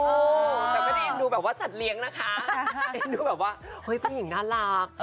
โอ้โหแต่ไม่ได้เอ็นดูแบบว่าสัตว์เลี้ยงนะคะเอ็นดูแบบว่าเฮ้ยผู้หญิงน่ารัก